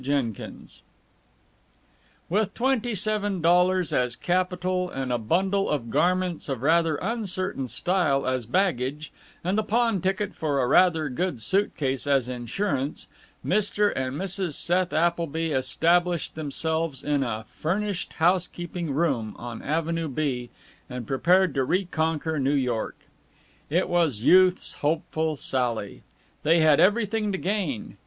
CHAPTER X With twenty seven dollars as capital, and a bundle of garments of rather uncertain style as baggage, and the pawn ticket for a rather good suit case as insurance, Mr. and Mrs. Seth Appleby established themselves in a "furnished housekeeping room" on Avenue B, and prepared to reconquer New York. It was youth's hopeful sally. They had everything to gain.